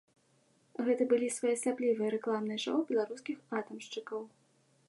Гэта былі своеасаблівыя рэкламныя шоу беларускіх атамшчыкаў.